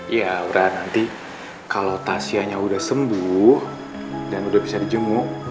ya ura nanti kalau tasya udah sembuh dan udah bisa dijemur